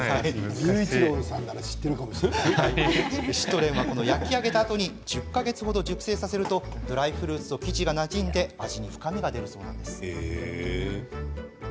シュトレンは、焼き上げたあとに１０か月程、熟成させるとドライフルーツと生地がなじんで味に深みが出るそう。